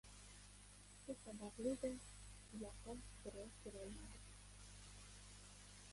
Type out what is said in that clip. Shu sababli-da uloqqa birov kelolmadi.